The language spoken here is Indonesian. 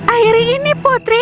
akhirnya ini putri